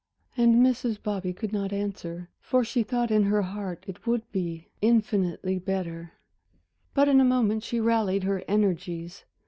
And Mrs. Bobby could not answer, for she thought in her heart it would be infinitely better. But in a moment she rallied her energies.